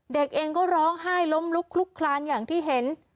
เด็กเองก็ร้องไห้ล้มลุกคลุกคลานอย่างที่เห็น